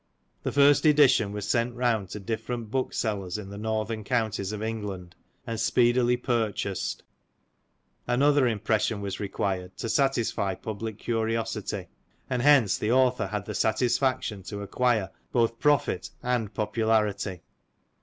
The first edition was sent round to different booksellers in the northern counties of England, and speedily purchased: another impression was required to satisfy public curiosity; and hence, the author had the satisfaction to acquire both profit and popularity.